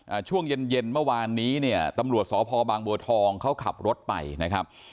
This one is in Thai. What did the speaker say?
ช่วงเย็นเย็นเมื่อวานนี้เนี่ยตำรวจสพบางบัวทองเขาขับรถไปนะครับ